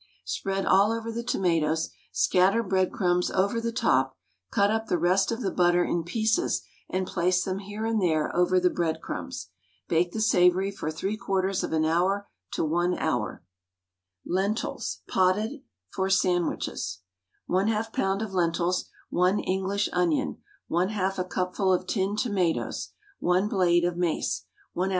Spread all over the tomatoes, scatter breadcrumbs over the top, cut up the rest of the butter in pieces and place them here and there over the breadcrumbs. Bake the savoury for 3/4 of an hour to 1 hour. LENTILS (POTTED), FOR SANDWICHES. 1/2 lb. of lentils, 1 English onion, 1/2 a cupful of tinned tomatoes, 1 blade of mace, 1 oz.